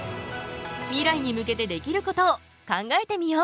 ミライに向けてできることを考えてみよう。